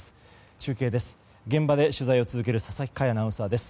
中継です。